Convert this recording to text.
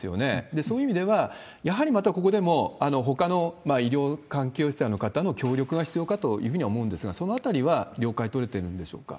そういう意味では、やはりまたここでも、ほかの医療関係者の方の協力が必要かというふうには思うんですが、そのあたりは了解取れてるんでしょうか？